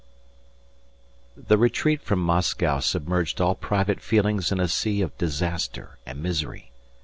III The retreat from Moscow submerged all private feelings in a sea of disaster and misery.